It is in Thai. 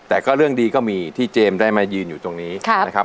แต่ก็เรื่องดีก็มีที่เจมส์ได้มายืนอยู่ตรงนี้นะครับ